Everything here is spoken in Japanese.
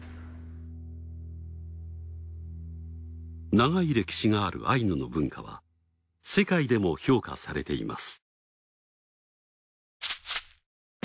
長い歴史があるアイヌの文化は世界でも評価されています。